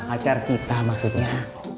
akar kita maksudnya